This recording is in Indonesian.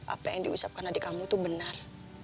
apa yang diucapkan adik kamu itu benar